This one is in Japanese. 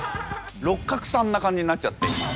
六角さんな感じになっちゃって今。